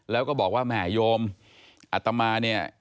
แล้วก็บอกว่าแหมโยมอัตมาเนี่ย